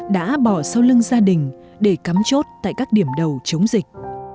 đã bỏ sau lưng gia đình để cắm chốt tại các điểm đầu chống dịch